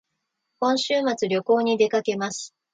今週末旅行に出かけます